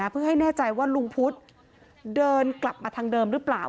เพื่อให้แน่ใจว่าลุงพุทธเดินกลับมาทางเดิมหรือเปล่า